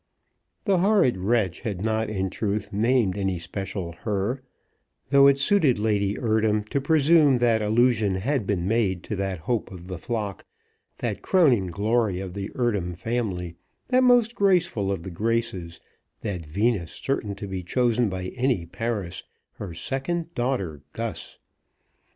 The horrid wretch had not, in truth, named any special her, though it suited Lady Eardham to presume that allusion had been made to that hope of the flock, that crowning glory of the Eardham family, that most graceful of the Graces, that Venus certain to be chosen by any Paris, her second daughter, Gus.